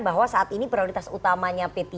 bahwa saat ini prioritas utamanya p tiga